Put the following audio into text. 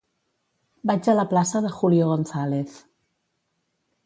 Vaig a la plaça de Julio González.